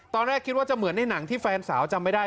ตอนแรกคิดว่าจะเหมือนในหนังที่แฟนสาวจำไม่ได้